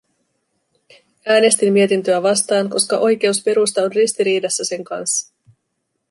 Äänestin mietintöä vastaan, koska oikeusperusta on ristiriidassa sen kanssa.